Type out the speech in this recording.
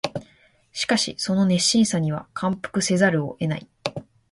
しかしその熱心には感服せざるを得ない